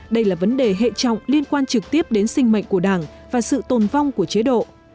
đây là vấn đề hệ trọng liên quan trực tiếp đến sinh mệnh của đảng và sự tồn vong của chế độ